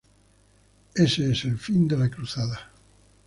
Ese es el fin de la Cruzada.